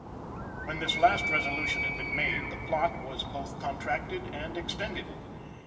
When this last resolution had been made, the plot was both contracted and extended.